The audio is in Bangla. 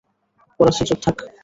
ফরাসি, চুপ থাক।